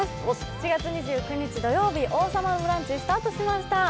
７月２９日土曜日、「王様のブランチ」スタートしました。